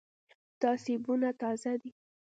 دا سیبونه تازه دي.